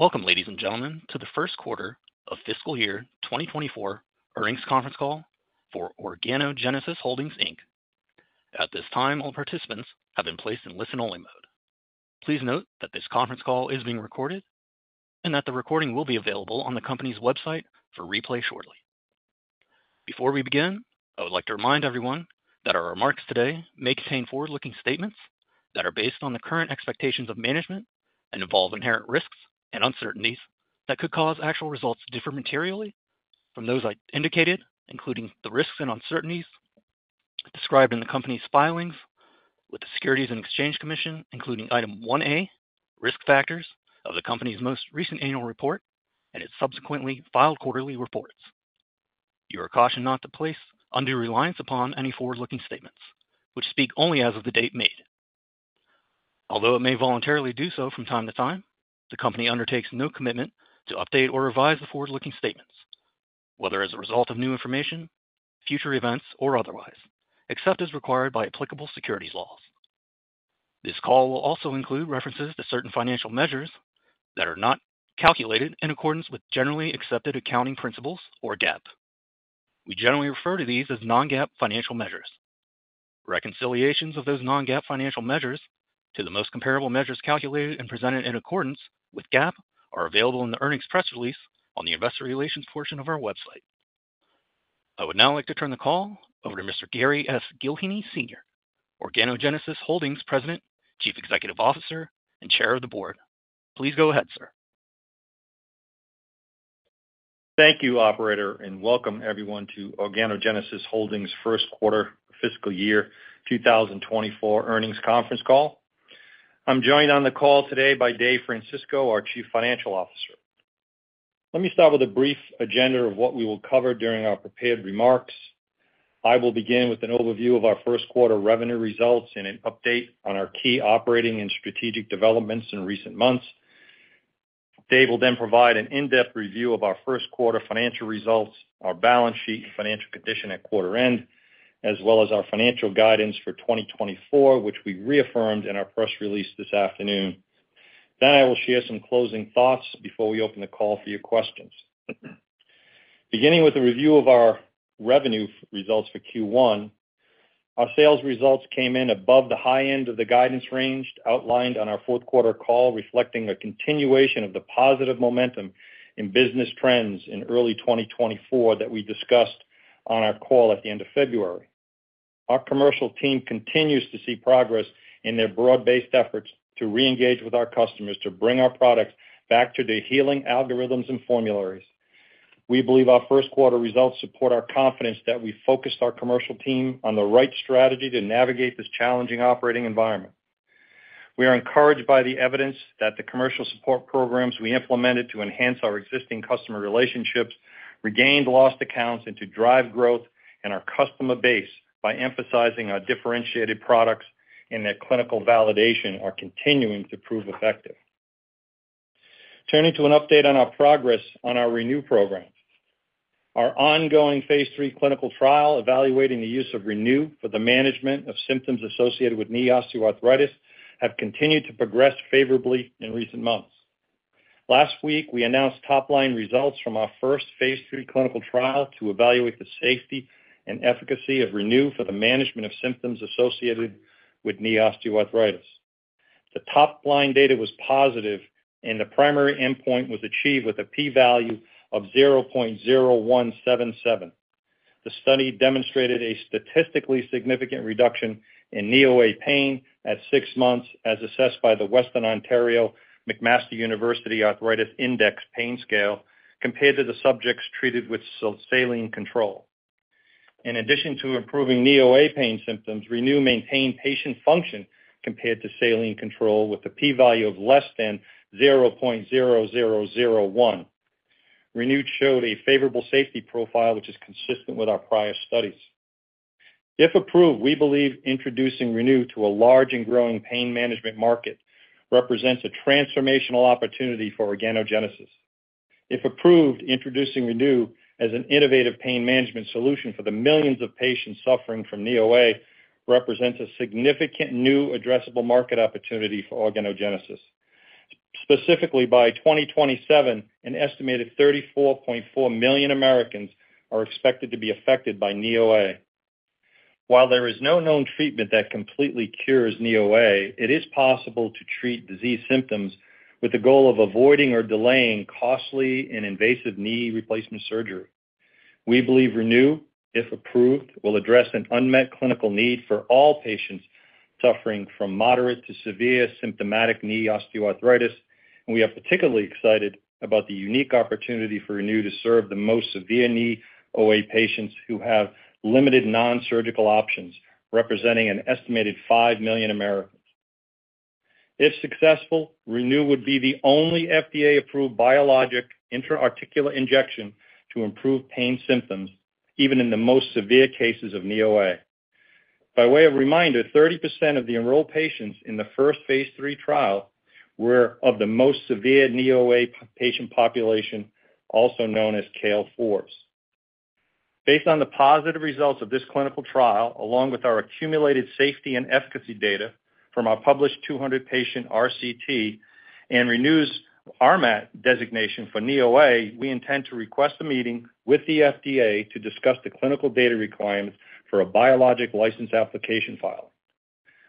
Welcome, ladies and gentlemen, to the first quarter of fiscal year 2024 earnings conference call for Organogenesis Holdings, Inc. At this time, all participants have been placed in listen-only mode. Please note that this conference call is being recorded and that the recording will be available on the company's website for replay shortly. Before we begin, I would like to remind everyone that our remarks today may contain forward-looking statements that are based on the current expectations of management and involve inherent risks and uncertainties that could cause actual results to differ materially from those I indicated, including the risks and uncertainties described in the company's filings with the Securities and Exchange Commission, including Item 1A, Risk Factors of the company's most recent annual report and its subsequently filed quarterly reports. You are cautioned not to place undue reliance upon any forward-looking statements which speak only as of the date made. Although it may voluntarily do so from time to time, the company undertakes no commitment to update or revise the forward-looking statements, whether as a result of new information, future events, or otherwise, except as required by applicable securities laws. This call will also include references to certain financial measures that are not calculated in accordance with generally accepted accounting principles or GAAP. We generally refer to these as non-GAAP financial measures. Reconciliations of those non-GAAP financial measures to the most comparable measures calculated and presented in accordance with GAAP are available in the earnings press release on the investor relations portion of our website. I would now like to turn the call over to Mr. Gary S. Gillheeney, Sr., Organogenesis Holdings President, Chief Executive Officer, and Chair of the Board. Please go ahead, sir. Thank you, operator, and welcome everyone to Organogenesis Holdings first quarter fiscal year 2024 earnings conference call. I'm joined on the call today by Dave Francisco, our Chief Financial Officer. Let me start with a brief agenda of what we will cover during our prepared remarks. I will begin with an overview of our first quarter revenue results and an update on our key operating and strategic developments in recent months. Dave will then provide an in-depth review of our first quarter financial results, our balance sheet, and financial condition at quarter end, as well as our financial guidance for 2024, which we reaffirmed in our press release this afternoon. Then I will share some closing thoughts before we open the call for your questions. Beginning with a review of our revenue results for Q1, our sales results came in above the high end of the guidance range outlined on our fourth quarter call, reflecting a continuation of the positive momentum in business trends in early 2024 that we discussed on our call at the end of February. Our commercial team continues to see progress in their broad-based efforts to reengage with our customers to bring our products back to the healing algorithms and formularies. We believe our first quarter results support our confidence that we focused our commercial team on the right strategy to navigate this challenging operating environment. We are encouraged by the evidence that the commercial support programs we implemented to enhance our existing customer relationships, regained lost accounts, and to drive growth in our customer base by emphasizing our differentiated products and their clinical validation are continuing to prove effective. Turning to an update on our progress on our ReNu program. Our ongoing Phase III clinical trial, evaluating the use of ReNu for the management of symptoms associated with knee osteoarthritis, have continued to progress favorably in recent months. Last week, we announced top-line results from our first Phase III clinical trial to evaluate the safety and efficacy of ReNu for the management of symptoms associated with knee osteoarthritis. The top-line data was positive and the primary endpoint was achieved with a p-value of 0.0177. The study demonstrated a statistically significant reduction in knee OA pain at six months, as assessed by the Western Ontario and McMaster Universities Arthritis Index Pain Scale compared to the subjects treated with saline control. In addition to improving knee OA pain symptoms, ReNu maintained patient function compared to saline control with a p-value of less than 0.0001. ReNu showed a favorable safety profile, which is consistent with our prior studies. If approved, we believe introducing ReNu to a large and growing pain management market represents a transformational opportunity for Organogenesis. If approved, introducing ReNu as an innovative pain management solution for the millions of patients suffering from knee OA, represents a significant new addressable market opportunity for Organogenesis. Specifically, by 2027, an estimated 34.4 million Americans are expected to be affected by knee OA. While there is no known treatment that completely cures knee OA, it is possible to treat disease symptoms with the goal of avoiding or delaying costly and invasive knee replacement surgery. We believe ReNu, if approved, will address an unmet clinical need for all patients suffering from moderate to severe symptomatic knee osteoarthritis, and we are particularly excited about the unique opportunity for ReNu to serve the most severe knee OA patients who have limited non-surgical options, representing an estimated 5 million Americans. If successful, ReNu would be the only FDA-approved biologic intra-articular injection to improve pain symptoms, even in the most severe cases of knee OA. By way of reminder, 30% of the enrolled patients in the first phase 3 trial were of the most severe knee OA patient population, also known as KL-4s. Based on the positive results of this clinical trial, along with our accumulated safety and efficacy data from our published 200-patient RCT and ReNu's RMAT designation for knee OA, we intend to request a meeting with the FDA to discuss the clinical data requirements for a Biologic License Application file.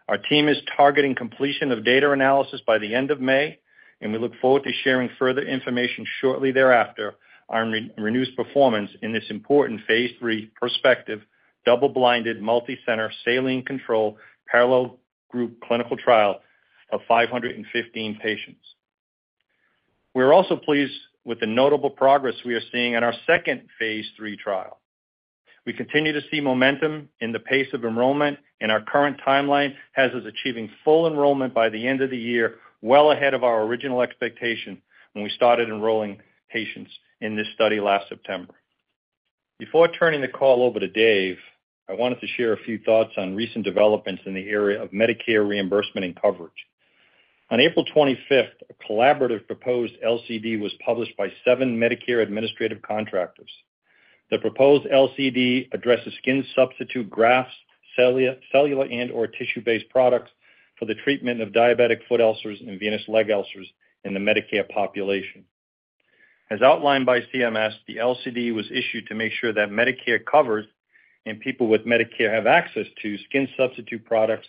Our team is targeting completion of data analysis by the end of May, and we look forward to sharing further information shortly thereafter on ReNu's performance in this important phase 3 prospective, double-blinded, multicenter, saline-controlled, parallel group clinical trial of 515 patients. We're also pleased with the notable progress we are seeing in our second phase 3 trial. We continue to see momentum in the pace of enrollment, and our current timeline has us achieving full enrollment by the end of the year, well ahead of our original expectation when we started enrolling patients in this study last September. Before turning the call over to Dave, I wanted to share a few thoughts on recent developments in the area of Medicare reimbursement and coverage. On April 25, a collaborative proposed LCD was published by seven Medicare Administrative Contractors. The proposed LCD addresses skin substitute grafts, cellular and/or tissue-based products for the treatment of diabetic foot ulcers and venous leg ulcers in the Medicare population. As outlined by CMS, the LCD was issued to make sure that Medicare covers, and people with Medicare have access to, skin substitute products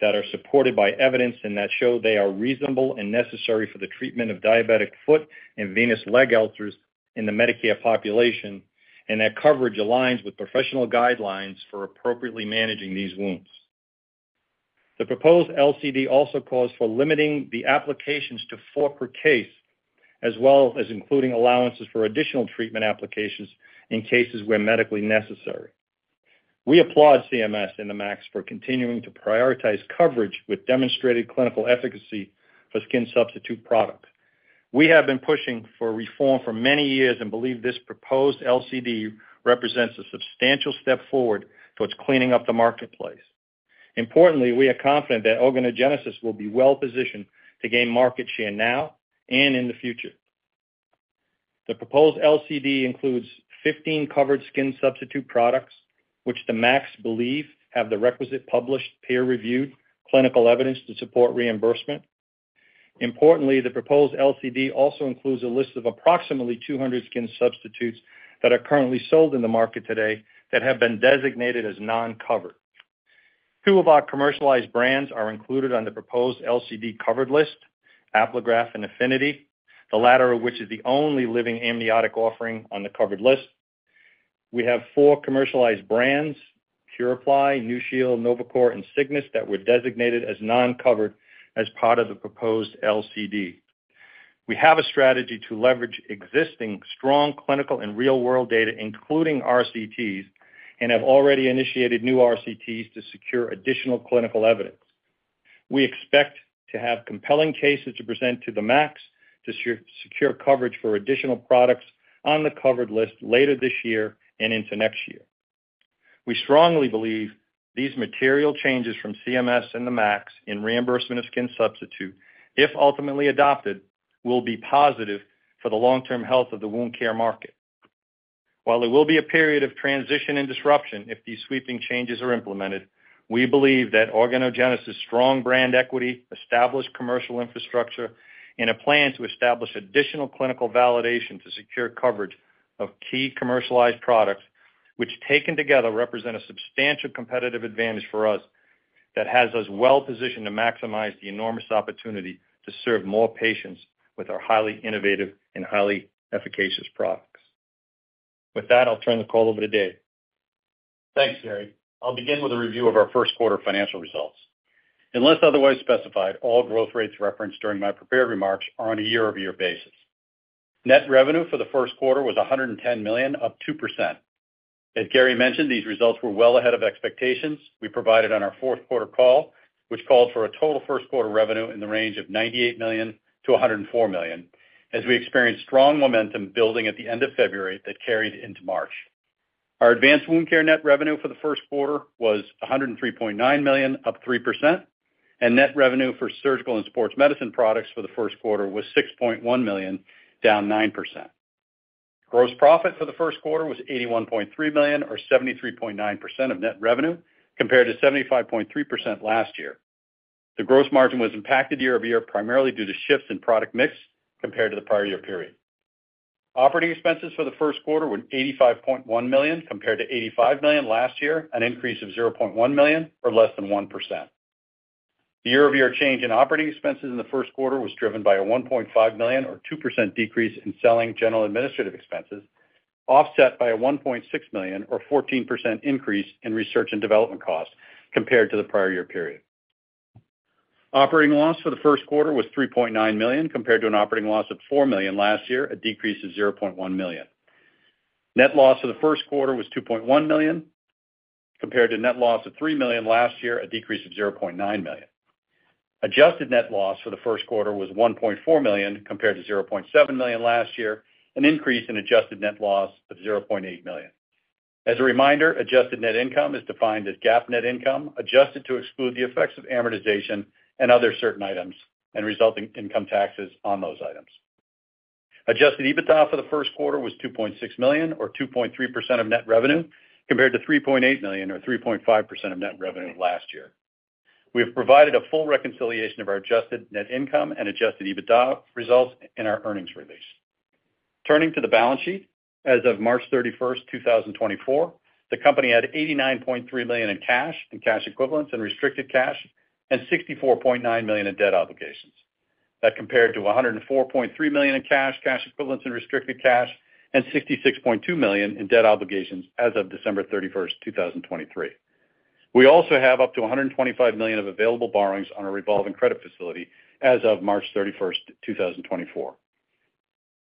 that are supported by evidence and that show they are reasonable and necessary for the treatment of diabetic foot and venous leg ulcers in the Medicare population, and that coverage aligns with professional guidelines for appropriately managing these wounds. The proposed LCD also calls for limiting the applications to four per case, as well as including allowances for additional treatment applications in cases where medically necessary. We applaud CMS and the MACs for continuing to prioritize coverage with demonstrated clinical efficacy for skin substitute products. We have been pushing for reform for many years and believe this proposed LCD represents a substantial step forward towards cleaning up the marketplace. Importantly, we are confident that Organogenesis will be well positioned to gain market share now and in the future. The proposed LCD includes 15 covered skin substitute products, which the MACs believe have the requisite published, peer-reviewed clinical evidence to support reimbursement. Importantly, the proposed LCD also includes a list of approximately 200 skin substitutes that are currently sold in the market today that have been designated as non-covered. Two of our commercialized brands are included on the proposed LCD covered list, Apligraf and Affinity, the latter of which is the only living amniotic offering on the covered list. We have four commercialized brands, PuraPly, NuShield, NovaChor, and Cygnus, that were designated as non-covered as part of the proposed LCD. We have a strategy to leverage existing strong clinical and real-world data, including RCTs, and have already initiated new RCTs to secure additional clinical evidence. We expect to have compelling cases to present to the MACs to secure coverage for additional products on the covered list later this year and into next year. We strongly believe these material changes from CMS and the MACs in reimbursement of skin substitute, if ultimately adopted, will be positive for the long-term health of the wound care market. While there will be a period of transition and disruption if these sweeping changes are implemented, we believe that Organogenesis' strong brand equity, established commercial infrastructure, and a plan to establish additional clinical validation to secure coverage of key commercialized products, which, taken together, represent a substantial competitive advantage for us, that has us well positioned to maximize the enormous opportunity to serve more patients with our highly innovative and highly efficacious products. With that, I'll turn the call over to Dave. Thanks, Gary. I'll begin with a review of our first quarter financial results. Unless otherwise specified, all growth rates referenced during my prepared remarks are on a year-over-year basis. Net revenue for the first quarter was $110 million, up 2%. As Gary mentioned, these results were well ahead of expectations we provided on our fourth quarter call, which called for a total first quarter revenue in the range of $98 million-$104 million, as we experienced strong momentum building at the end of February that carried into March. Our advanced wound care net revenue for the first quarter was $103.9 million, up 3%, and net revenue for surgical and sports medicine products for the first quarter was $6.1 million, down 9%. Gross profit for the first quarter was $81.3 million, or 73.9% of net revenue, compared to 75.3% last year. The gross margin was impacted year-over-year, primarily due to shifts in product mix compared to the prior year period. Operating expenses for the first quarter were $85.1 million, compared to $85 million last year, an increase of $0.1 million or less than 1%. The year-over-year change in operating expenses in the first quarter was driven by a $1.5 million, or 2%, decrease in selling general administrative expenses, offset by a $1.6 million, or 14%, increase in research and development costs compared to the prior year period. Operating loss for the first quarter was $3.9 million, compared to an operating loss of $4 million last year, a decrease of $0.1 million. Net loss for the first quarter was $2.1 million, compared to net loss of $3 million last year, a decrease of $0.9 million. Adjusted net loss for the first quarter was $1.4 million, compared to $0.7 million last year, an increase in adjusted net loss of $0.8 million. As a reminder, adjusted net income is defined as GAAP net income, adjusted to exclude the effects of amortization and other certain items and resulting income taxes on those items....Adjusted EBITDA for the first quarter was $2.6 million, or 2.3% of net revenue, compared to $3.8 million, or 3.5% of net revenue last year. We have provided a full reconciliation of our adjusted net income and adjusted EBITDA results in our earnings release. Turning to the balance sheet, as of March 31, 2024, the company had $89.3 million in cash and cash equivalents and restricted cash, and $64.9 million in debt obligations. That compared to $104.3 million in cash, cash equivalents, and restricted cash, and $66.2 million in debt obligations as of December 31, 2023. We also have up to $125 million of available borrowings on our revolving credit facility as of March 31, 2024.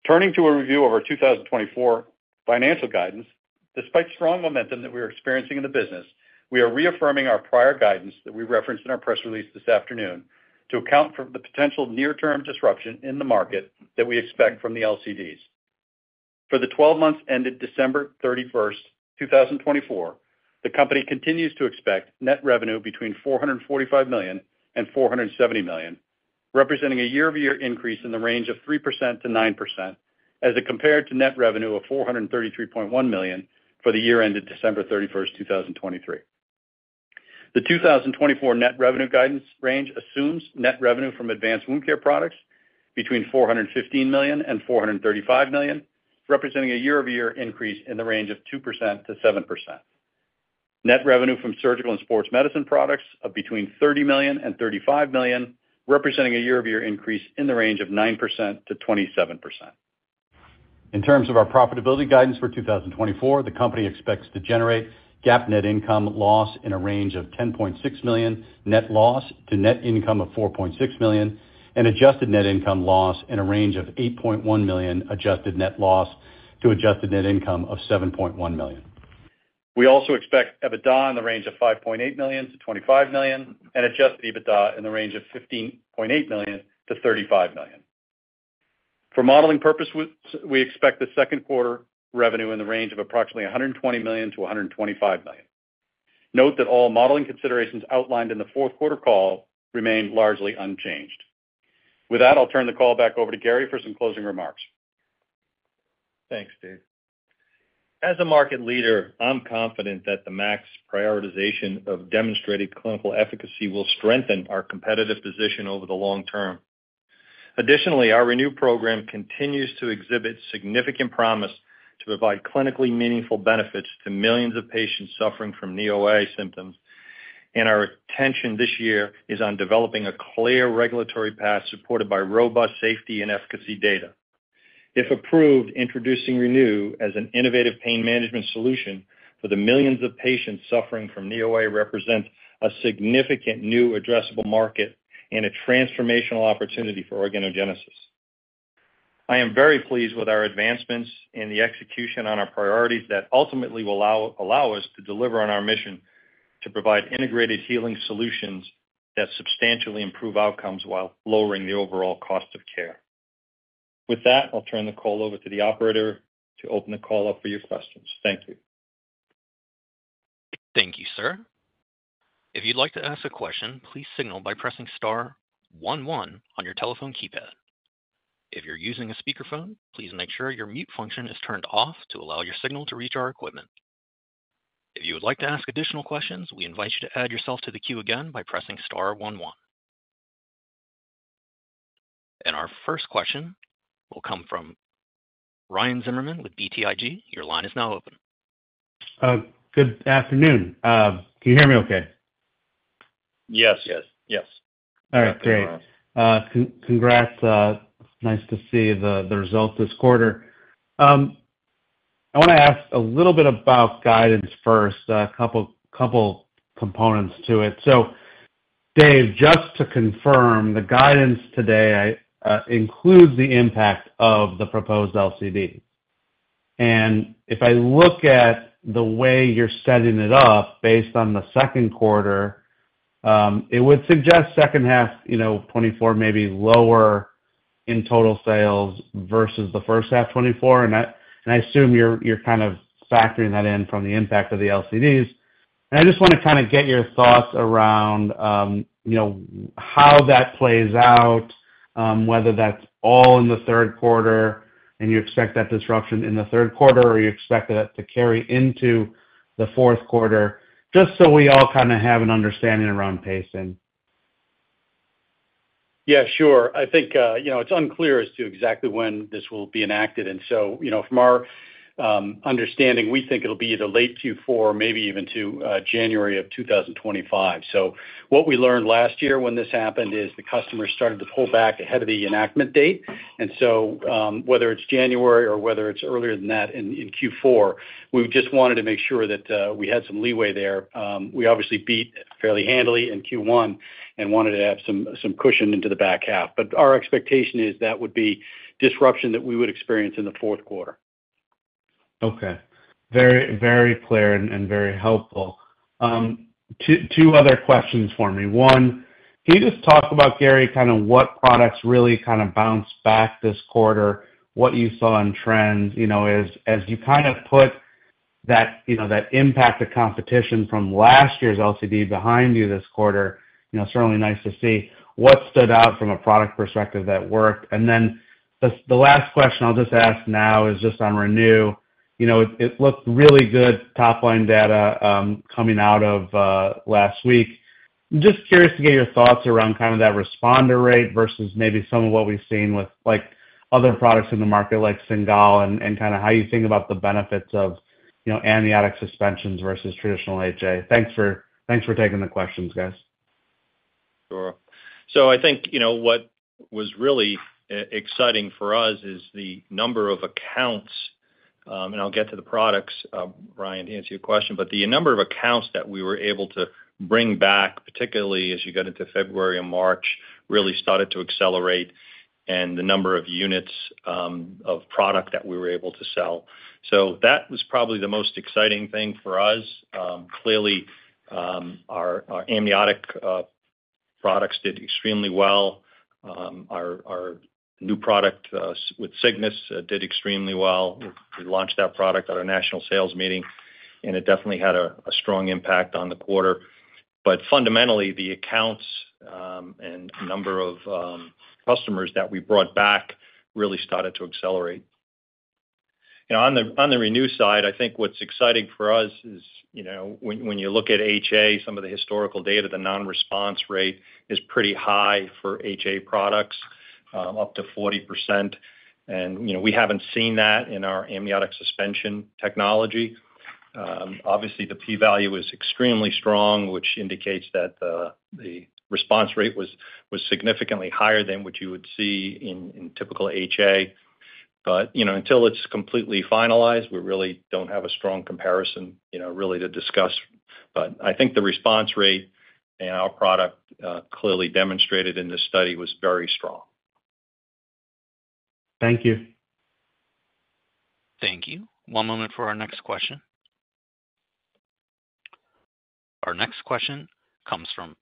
Turning to a review of our 2024 financial guidance, despite strong momentum that we are experiencing in the business, we are reaffirming our prior guidance that we referenced in our press release this afternoon to account for the potential near-term disruption in the market that we expect from the LCDs. For the twelve months ended December 31, 2024, the company continues to expect net revenue between $445 million and $470 million, representing a year-over-year increase in the range of 3%-9%, as it compared to net revenue of $433.1 million for the year ended December 31, 2023. The 2024 net revenue guidance range assumes net revenue from advanced wound care products between $415 million and $435 million, representing a year-over-year increase in the range of 2%-7%. Net revenue from surgical and sports medicine products of between $30 million and $35 million, representing a year-over-year increase in the range of 9%-27%. In terms of our profitability guidance for 2024, the company expects to generate GAAP net income loss in a range of $10.6 million net loss to net income of $4.6 million, and adjusted net income loss in a range of $8.1 million adjusted net loss to adjusted net income of $7.1 million. We also expect EBITDA in the range of $5.8 million-$25 million, and adjusted EBITDA in the range of $15.8 million-$35 million. For modeling purposes, we expect the second quarter revenue in the range of approximately $120 million-$125 million. Note that all modeling considerations outlined in the fourth quarter call remain largely unchanged. With that, I'll turn the call back over to Gary for some closing remarks. Thanks, Dave. As a market leader, I'm confident that the MACs prioritization of demonstrated clinical efficacy will strengthen our competitive position over the long term. Additionally, our ReNu program continues to exhibit significant promise to provide clinically meaningful benefits to millions of patients suffering from knee OA symptoms, and our attention this year is on developing a clear regulatory path supported by robust safety and efficacy data. If approved, introducing ReNu as an innovative pain management solution for the millions of patients suffering from knee OA represents a significant new addressable market and a transformational opportunity for Organogenesis. I am very pleased with our advancements and the execution on our priorities that ultimately will allow us to deliver on our mission to provide integrated healing solutions that substantially improve outcomes while lowering the overall cost of care. With that, I'll turn the call over to the operator to open the call up for your questions. Thank you. Thank you, sir. If you'd like to ask a question, please signal by pressing star one one on your telephone keypad. If you're using a speakerphone, please make sure your mute function is turned off to allow your signal to reach our equipment. If you would like to ask additional questions, we invite you to add yourself to the queue again by pressing star one one. Our first question will come from Ryan Zimmerman with BTIG. Your line is now open. Good afternoon. Can you hear me okay? Yes. Yes. Yes. All right, great. Congrats. Nice to see the results this quarter. I want to ask a little bit about guidance first, a couple components to it. So, Dave, just to confirm, the guidance today includes the impact of the proposed LCD. If I look at the way you're setting it up based on the second quarter, it would suggest second half 2024, you know, maybe lower in total sales versus the first half 2024, and I assume you're kind of factoring that in from the impact of the LCDs. I just want to kind of get your thoughts around, you know, how that plays out, whether that's all in the third quarter, and you expect that disruption in the third quarter, or you expect that to carry into the fourth quarter, just so we all kind of have an understanding around pacing. Yeah, sure. I think, you know, it's unclear as to exactly when this will be enacted. And so, you know, from our understanding, we think it'll be either late Q4, maybe even to January 2025. So what we learned last year when this happened is the customer started to pull back ahead of the enactment date. And so, whether it's January or whether it's earlier than that in Q4, we just wanted to make sure that we had some leeway there. We obviously beat fairly handily in Q1 and wanted to have some cushion into the back half. But our expectation is that would be disruption that we would experience in the fourth quarter. Okay. Very, very clear and very helpful. Two other questions for me. One, can you just talk about, Gary, kind of what products really kind of bounced back this quarter, what you saw in trends? You know, as you kind of put that, you know, that impact of competition from last year's LCD behind you this quarter, you know, certainly nice to see. What stood out from a product perspective that worked? And then the, the last question I'll just ask now is just on ReNu. You know, it, it looked really good top-line data, coming out of, last week. Just curious to get your thoughts around kind of that responder rate versus maybe some of what we've seen with, like, other products in the market, like Cingal, and, and kind of how you think about the benefits of, you know, amniotic suspensions versus traditional HA. Thanks for, thanks for taking the questions, guys. Sure. So I think, you know, what was really exciting for us is the number of accounts, and I'll get to the products, Ryan, to answer your question. But the number of accounts that we were able to bring back, particularly as you got into February and March, really started to accelerate, and the number of units of product that we were able to sell. So that was probably the most exciting thing for us. Clearly, our amniotic products did extremely well. Our new product with Cygnus did extremely well. We launched that product at our national sales meeting, and it definitely had a strong impact on the quarter. But fundamentally, the accounts and number of customers that we brought back really started to accelerate. You know, on the ReNu side, I think what's exciting for us is, you know, when you look at HA, some of the historical data, the non-response rate is pretty high for HA products, up to 40%. And, you know, we haven't seen that in our amniotic suspension technology. Obviously, the P value is extremely strong, which indicates that the response rate was significantly higher than what you would see in typical HA. But, you know, until it's completely finalized, we really don't have a strong comparison, you know, really to discuss. But I think the response rate in our product, clearly demonstrated in this study, was very strong. Thank you. Thank you. One moment for our next question. Our next question comes from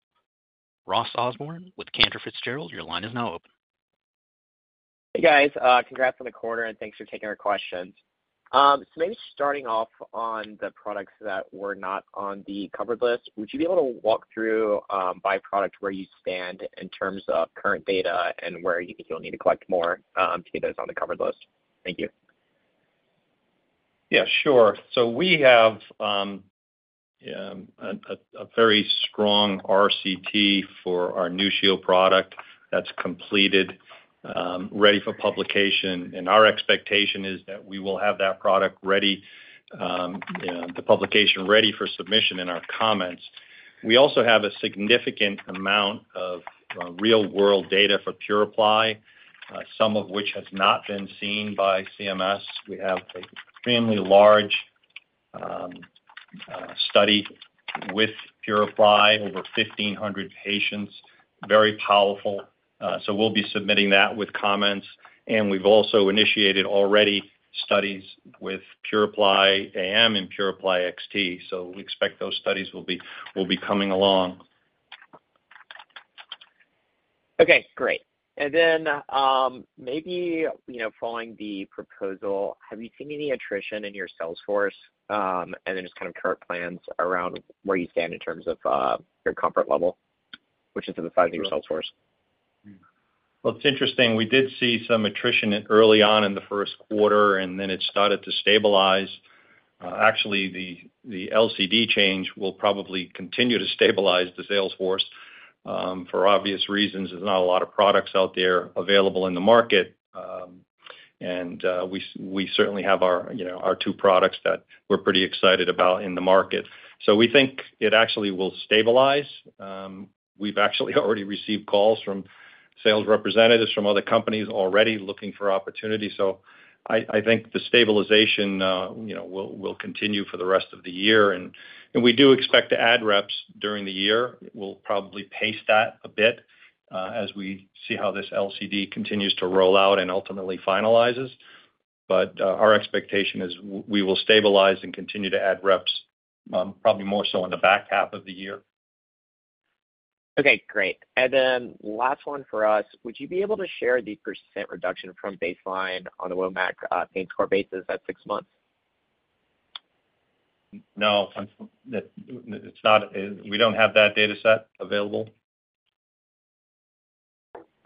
Ross Osborne with Cantor Fitzgerald. Your line is now open. Hey, guys, congrats on the quarter, and thanks for taking our questions. So maybe starting off on the products that were not on the covered list, would you be able to walk through, by product, where you stand in terms of current data and where you think you'll need to collect more, to get those on the covered list? Thank you. Yeah, sure. So we have a very strong RCT for our NuShield product that's completed, ready for publication, and our expectation is that we will have that product ready, you know, the publication ready for submission in our comments. We also have a significant amount of real-world data for PuraPly, some of which has not been seen by CMS. We have an extremely large study with PuraPly, over 1,500 patients, very powerful. So we'll be submitting that with comments, and we've also initiated already studies with PuraPly AM and PuraPly XT, so we expect those studies will be coming along. Okay, great. And then, maybe, you know, following the proposal, have you seen any attrition in your sales force? And then just kind of current plans around where you stand in terms of, your comfort level with regards to the size of your sales force? Well, it's interesting. We did see some attrition early on in the first quarter, and then it started to stabilize. Actually, the LCD change will probably continue to stabilize the sales force, for obvious reasons. There's not a lot of products out there available in the market, and we certainly have our, you know, our two products that we're pretty excited about in the market. So we think it actually will stabilize. We've actually already received calls from sales representatives from other companies already looking for opportunities. So I think the stabilization, you know, will continue for the rest of the year, and we do expect to add reps during the year. We'll probably pace that a bit, as we see how this LCD continues to roll out and ultimately finalizes. But, our expectation is we will stabilize and continue to add reps, probably more so in the back half of the year. Okay, great. Last one for us. Would you be able to share the % reduction from baseline on the WOMAC pain score basis at six months? No, it's not. We don't have that data set available.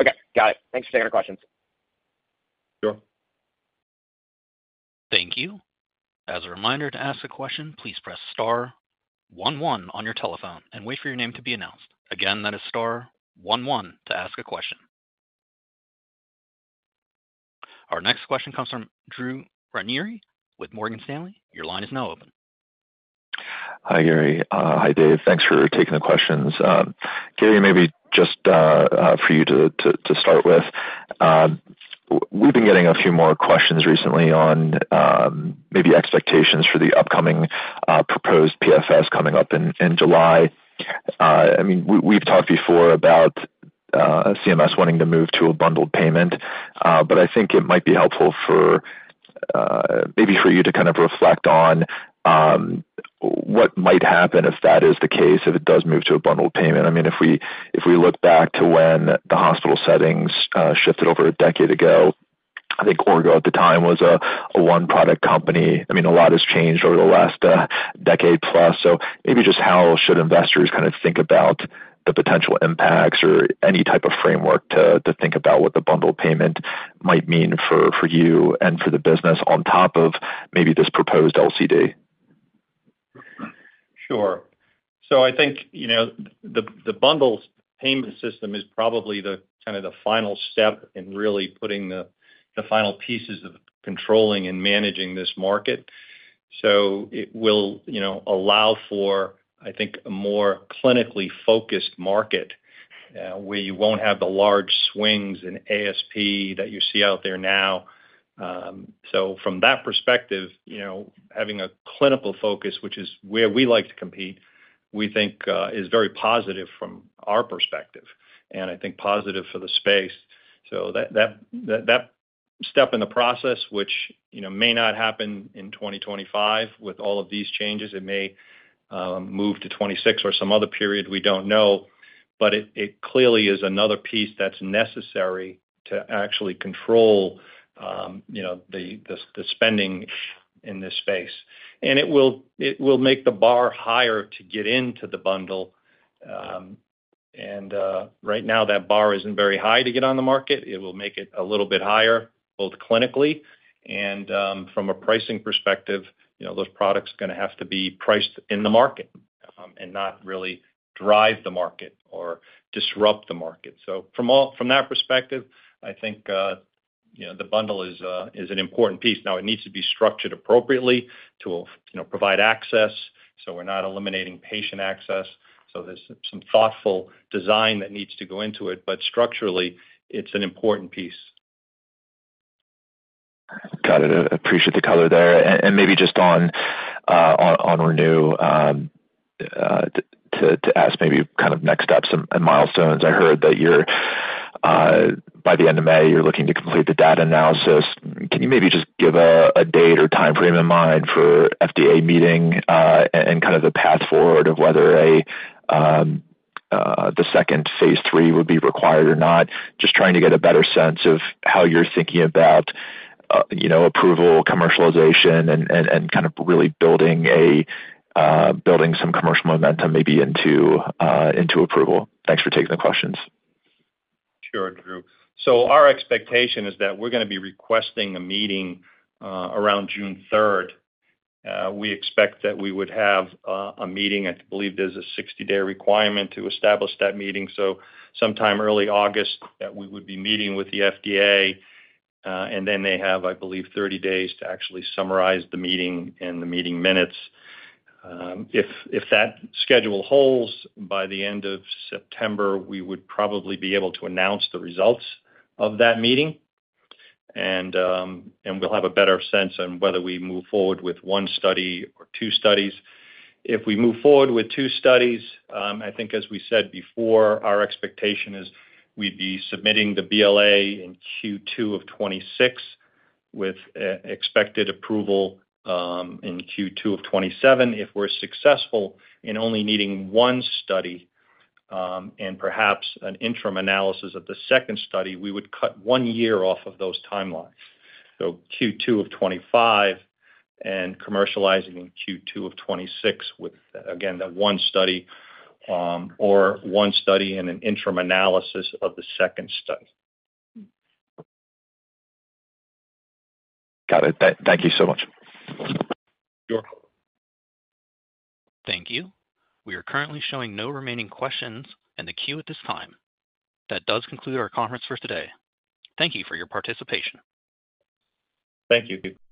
Okay, got it. Thanks for taking our questions. Yeah. Thank you. As a reminder, to ask a question, please press star one one on your telephone and wait for your name to be announced. Again, that is star one one to ask a question. Our next question comes from Drew Ranieri with Morgan Stanley. Your line is now open. Hi, Gary. Hi, Dave. Thanks for taking the questions. Gary, maybe just for you to start with. We've been getting a few more questions recently on maybe expectations for the upcoming proposed PFS coming up in July. I mean, we've talked before about CMS wanting to move to a bundled payment, but I think it might be helpful for maybe for you to kind of reflect on. What might happen if that is the case, if it does move to a bundled payment? I mean, if we, if we look back to when the hospital settings shifted over a decade ago, I think Orgo at the time was a, a one-product company. I mean, a lot has changed over the last decade plus. So maybe just how should investors kind of think about the potential impacts or any type of framework to, to think about what the bundled payment might mean for, for you and for the business on top of maybe this proposed LCD? Sure. So I think, you know, the bundled payment system is probably the kind of final step in really putting the final pieces of controlling and managing this market. So it will, you know, allow for, I think, a more clinically focused market, where you won't have the large swings in ASP that you see out there now. So from that perspective, you know, having a clinical focus, which is where we like to compete, we think, is very positive from our perspective, and I think positive for the space. So that step in the process, which, you know, may not happen in 2025 with all of these changes, it may move to 2026 or some other period, we don't know, but it clearly is another piece that's necessary to actually control, you know, the spending in this space. And it will make the bar higher to get into the bundle, and right now, that bar isn't very high to get on the market. It will make it a little bit higher, both clinically and from a pricing perspective, you know, those products are gonna have to be priced in the market, and not really drive the market or disrupt the market. So from that perspective, I think, you know, the bundle is an important piece. Now, it needs to be structured appropriately to, you know, provide access, so we're not eliminating patient access. So there's some thoughtful design that needs to go into it, but structurally, it's an important piece. Got it. I appreciate the color there. Maybe just on ReNu to ask maybe kind of next steps and milestones. I heard that you're by the end of May, you're looking to complete the data analysis. Can you maybe just give a date or time frame in mind for FDA meeting and kind of the path forward of whether the second phase 3 would be required or not? Just trying to get a better sense of how you're thinking about you know, approval, commercialization, and kind of really building some commercial momentum maybe into approval. Thanks for taking the questions. Sure, Drew. So our expectation is that we're gonna be requesting a meeting around June 3. We expect that we would have a meeting. I believe there's a 60-day requirement to establish that meeting, so sometime early August, that we would be meeting with the FDA, and then they have, I believe, 30 days to actually summarize the meeting and the meeting minutes. If that schedule holds, by the end of September, we would probably be able to announce the results of that meeting, and we'll have a better sense on whether we move forward with one study or two studies. If we move forward with two studies, I think as we said before, our expectation is we'd be submitting the BLA in Q2 of 2026, with expected approval in Q2 of 2027. If we're successful in only needing one study, and perhaps an interim analysis of the second study, we would cut one year off of those timelines. So Q2 of 2025 and commercializing in Q2 of 2026 with, again, the one study, or one study and an interim analysis of the second study. Got it. Thank you so much. Yeah. Thank you. We are currently showing no remaining questions in the queue at this time. That does conclude our conference for today. Thank you for your participation. Thank you.